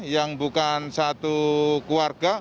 yang bukan satu keluarga